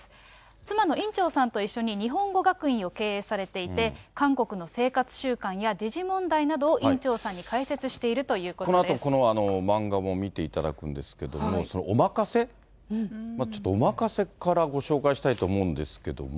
妻のいんちょーさんと一緒に日本語学院を経営されていて、韓国の生活習慣や時事問題などをいんちょーさんに解説しているとこのあと、この漫画も見ていただくんですけども、おまかせ、ちょっとおまかせからご紹介したいと思うんですけども。